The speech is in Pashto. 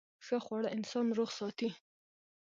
ښه خواړه انسان روغ ساتي.